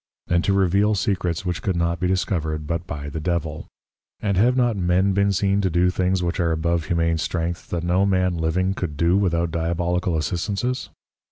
And to reveal Secrets which could not be discovered but by the Devil? And have not men been seen to do things which are above humane Strength, that no man living could do without Diabolical Assistances?